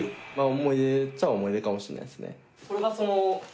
思い出っちゃ思い出かもしれないですね。